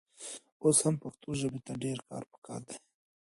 اوس هم پښتو ژبې ته ډېر کار پکار دی.